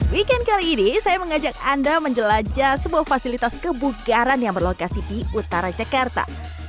weekend kali ini saya mengajak anda menjelajah sebuah fasilitas kebugaran yang berlokasi di utara jakarta